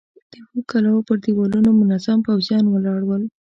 د اوو کلاوو پر دېوالونو منظم پوځيان ولاړ ول.